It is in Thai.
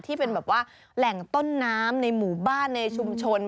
ที่เป็นแบบว่าแหล่งต้นน้ำในหมู่บ้านในชุมชน